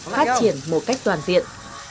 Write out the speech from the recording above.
phát triển một cách toàn tiện